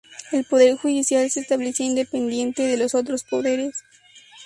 El Poder Judicial se establecía independiente de los otros poderes.